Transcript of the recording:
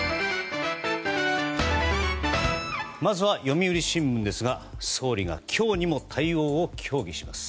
まずは読売新聞ですが総理が今日にも対応を協議します。